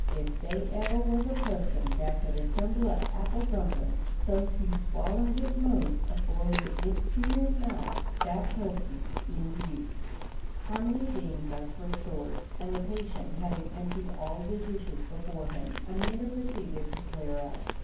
Ef dey ever was a pusson dat could assemble a' apple dumplin' so's you swoller hit 'most afore hit gits to yer mouf, dat pusson is you." Harmony being thus restored, and the patient having emptied all the dishes before him, Amanda proceeded to clear up.